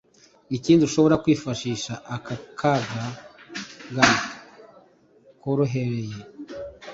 Ikindi ushobora kwifashisha aka ga (gant) korohereye